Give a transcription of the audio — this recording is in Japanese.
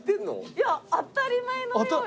いや当たり前のように。